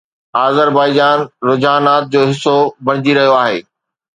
Azerbaijan رجحانات جو حصو بڻجي رهيو آهي